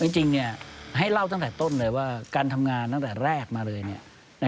จริงให้เล่าตั้งแต่ต้นเลยว่าการทำงานตั้งแต่แรกมาเลย